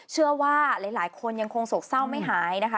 เชื่อว่าหลายคนยังคงโศกเศร้าไม่หายนะคะ